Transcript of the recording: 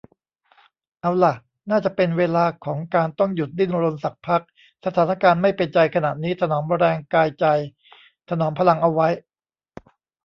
เอาล่ะ น่าจะเป็นเวลาของการต้องหยุดดิ้นรนสักพัก สถานการณ์ไม่เป็นใจขณะนี้ ถนอมแรงกายใจ ถนอมพลังเอาไว้